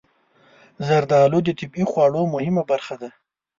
زردالو د طبعي خواړو مهمه برخه ده.